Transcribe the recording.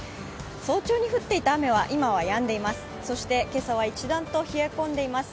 早朝に降っていた雨は今はやんでいます。